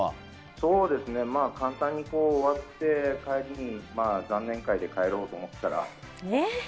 そうですね、簡単に終わって、帰りに残念会で帰ろうと思ってたら。